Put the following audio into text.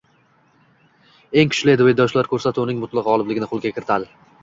Eng kuchli duetdoshlar ko‘rsatuvning mutloq g‘olibligini qo‘lga kiritadi